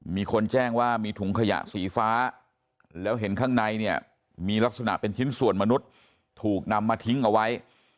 มีคนแจ้งว่ามีถุงขยะสีฟ้าแล้วเห็นข้างในเนี่ยมีลักษณะเป็นชิ้นส่วนมนุษย์ถูกนำมาทิ้งเอาไว้